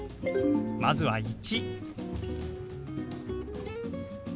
まずは１。